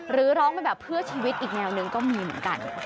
หรือร้องไปแบบเพื่อชีวิตอีกแนวหนึ่งก็มีเหมือนกัน